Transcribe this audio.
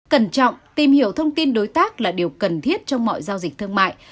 cẩn trọng tìm hiểu thông tin đối tác là điều cần thiết trong mọi giao dịch thương mại